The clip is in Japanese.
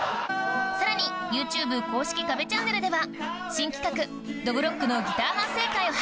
さらにＹｏｕＴｕｂｅ公式壁チャンネルでは新企画どぶろっくのギター反省会を配信！